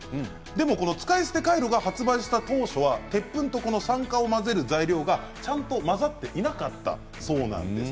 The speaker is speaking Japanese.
でも使い捨てカイロが発売した当初は、鉄粉と酸化を混ぜる材料がちゃんと混ざっていなかったそうなんです。